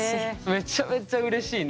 めちゃめちゃうれしいね。